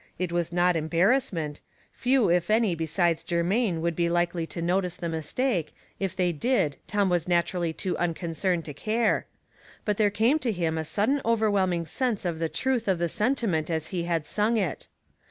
It was not em barrassment ; few, if any, besides Germain would be likely to notice the mistake, if they did Tom was naturally too unconcerned to care ; but there came to him a sudden overwhelming sense of the truth of the sentiment as he had sung it.